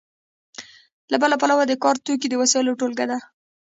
له بله پلوه د کار توکي د وسایلو ټولګه ده.